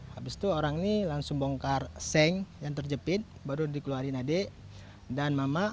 habis itu orang ini langsung bongkar seng yang terjepit baru dikeluarin adik dan mama